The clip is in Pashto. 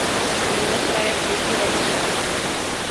د ولس رایه سیاسي وزن لري